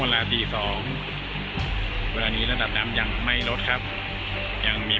ตีสองเวลานี้ระดับน้ำยังไม่ลดครับยังมี